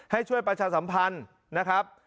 ให้ช่วยประชาสัมพันธ์นะครับ